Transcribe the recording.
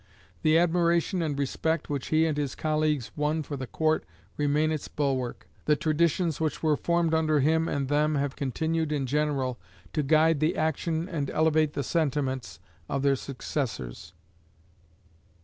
The admiration and respect which he and his colleagues won for the court remain its bulwark: the traditions which were formed under him and them have continued in general to guide the action and elevate the sentiments of their successors.